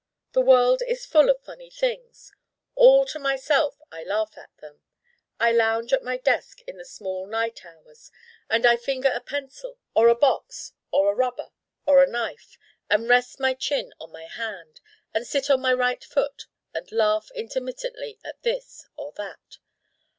The world is full of funny things. All to myself I Laugh at them. I lounge at my desk in the small night hours, and I finger a pencil or a box or a rubber or a knife and rest my chin on my hand, and sit on my right foot, and Laugh intermittently at this or that.